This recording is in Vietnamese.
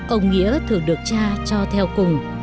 ông nghĩa thưởng được cha cho theo cùng